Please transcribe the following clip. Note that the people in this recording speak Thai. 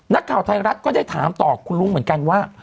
นักข่าวไทยรัฐก็ได้ถามต่อคุณลุงเหมือนกันว่า